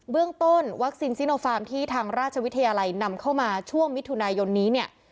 เรื่องต้นวัคซีนซิโนฟาร์มที่ทางราชวิทยาลัยนำเข้ามาช่วงมิถุนายนนี้เนี่ย